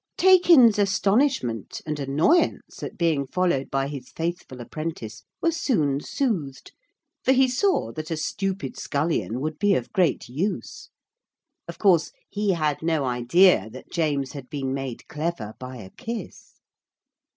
Taykin's astonishment and annoyance at being followed by his faithful apprentice were soon soothed, for he saw that a stupid scullion would be of great use. Of course he had no idea that James had been made clever by a kiss.